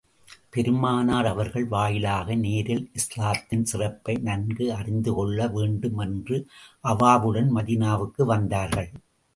பெருமானார் அவர்களின் வாயிலாக, நேரில் இஸ்லாத்தின் சிறப்பை நன்கு அறிந்து கொள்ள வேண்டும் என்ற அவாவுடன் மதீனாவுக்கு வந்தார்கள்.